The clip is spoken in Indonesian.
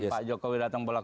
pak jokowi datang bolak bolakan